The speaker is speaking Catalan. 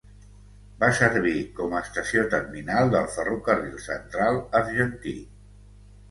Va servir com estació terminal del Ferrocarril Central Argentí.